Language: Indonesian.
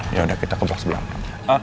ya udah kita ke blok sebelah